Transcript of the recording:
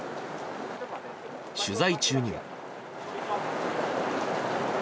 取材中にも。